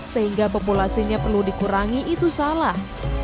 sehingga populasinya perlu dikurangi itu salah